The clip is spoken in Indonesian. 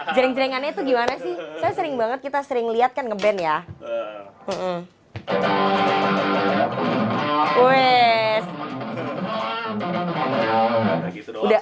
jering jeringannya itu gimana sih saya sering banget kita sering lihat kan nge band ya